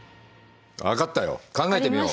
分かったよ考えてみよう。